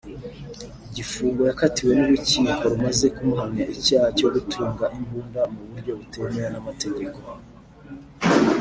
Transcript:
igifungo yakatiwe n’urukiko rumaze kumuhamya icyaha cyo gutunga imbunda mu buryo butemewe n’ amategeko